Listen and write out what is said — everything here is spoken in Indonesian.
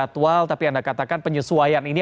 jadwal tapi anda katakan penyesuaian ini